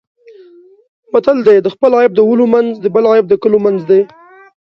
متل دی: خپل عیب د ولو منځ د بل عیب د کلو منځ دی.